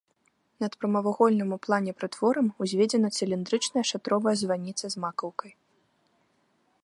Над прамавугольным у плане прытворам узведзена цыліндрычная шатровая званіца з макаўкай.